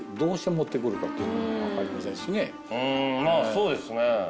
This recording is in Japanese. そうですね。